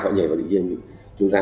họ nhảy vào địa điểm chúng ta